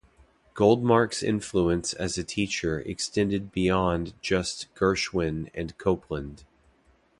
Goldmark's influence as a teacher extended beyond just Gershwin and Copland.